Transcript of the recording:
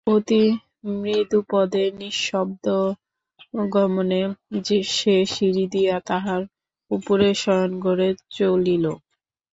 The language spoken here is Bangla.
অতি মৃদুপদে নিঃশব্দগমনে সে সিঁড়ি দিয়া তাহার উপরের শয়নঘরে চলিল।